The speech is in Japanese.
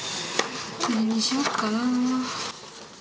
何にしよっかな。